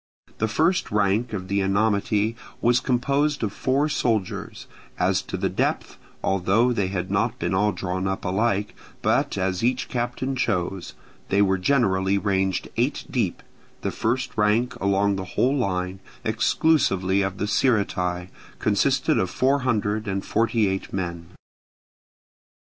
The first rank of the Enomoty was composed of four soldiers: as to the depth, although they had not been all drawn up alike, but as each captain chose, they were generally ranged eight deep; the first rank along the whole line, exclusive of the Sciritae, consisted of four hundred and forty eight men.